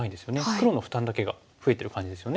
黒の負担だけが増えてる感じですよね。